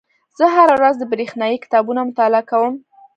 زه هره ورځ د بریښنایي کتابونو مطالعه کوم.